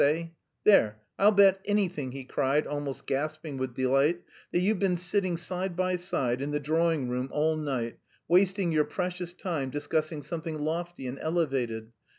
Eh? There! I'll bet anything," he cried, almost gasping with delight, "that you've been sitting side by side in the drawing room all night wasting your precious time discussing something lofty and elevated....